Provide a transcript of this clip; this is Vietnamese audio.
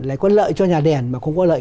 lại có lợi cho nhà đèn mà không có lợi